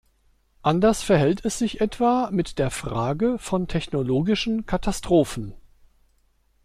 Anders verhält es sich etwa mit der Frage von technologischen Katastrophen.